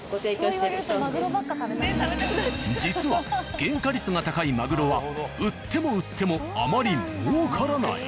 実は原価率が高いマグロは売っても売ってもあまり儲からない！